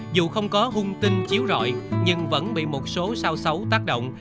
dù không có hung tin chiếu rồi nhưng vẫn bị một số sao xấu tác động